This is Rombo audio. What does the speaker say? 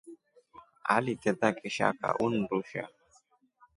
Aliteta kishaka undusha.